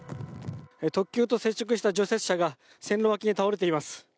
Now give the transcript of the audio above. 特急と接触した除雪車が線路脇に倒れています。